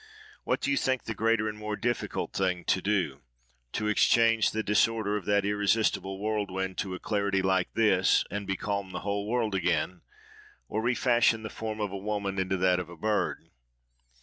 Which do you think the greater and more difficult thing to do: to exchange the disorder of that irresistible whirlwind to a clarity like this, and becalm the whole world again, or to refashion the form of a woman into that of a bird?